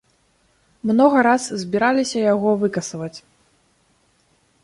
Многа раз збіраліся яго выкасаваць.